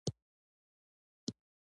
ښځه د خپل شخصیت ښکلا ساتي.